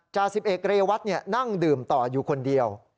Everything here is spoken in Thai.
จ่า๑๑เรวัตต์นั่งดื่มต่ออยู่คนเดียว